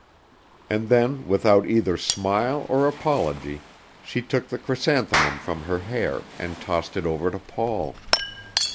And then without either smile or apology, she took the chrysanthemum from her hair and tossed it over to Paul.